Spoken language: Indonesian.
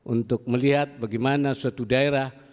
untuk melihat bagaimana suatu daerah